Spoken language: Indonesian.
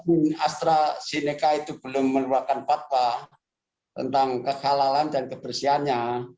kalau mui untuk vaksin astrazeneca itu belum meneruakan fatwa tentang kehalalan dan kebersihannya